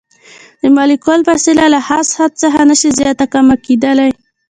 د مالیکول فاصله له خاص حد څخه نشي زیاته کمه کیدلی.